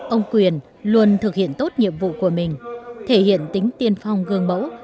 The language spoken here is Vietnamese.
ông quyền luôn thực hiện tốt nhiệm vụ của mình thể hiện tính tiên phong gương mẫu